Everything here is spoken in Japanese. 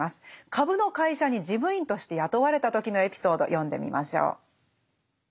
株の会社に事務員として雇われた時のエピソード読んでみましょう。